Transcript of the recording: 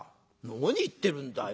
「何言ってるんだよ。